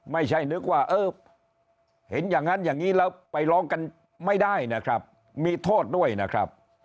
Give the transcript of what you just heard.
ไม่ใช่นึกว่าเป็นอย่างงี้แล้วไปร้องไม่ได้มีโทษด้วยนะครับ